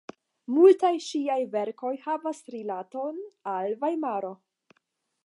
Multaj ŝiaj verkoj havas rilaton al Vajmaro.